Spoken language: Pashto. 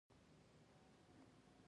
د محصل لپاره د ژوند تنظیم اړین دی.